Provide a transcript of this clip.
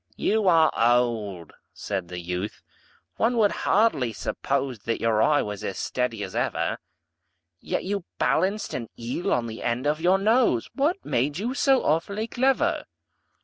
"You are old," said the youth, "one would hardly suppose That your eye was as steady as ever; Yet you balanced an eel on the end of your nose What made you so awfully clever?"